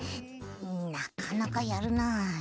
なかなかやるな。